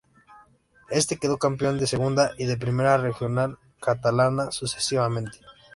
Éste quedó campeón de Segunda y de Primera Regional Catalana sucesivamente.